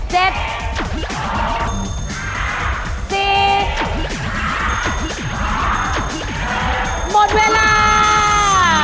หมดเวลา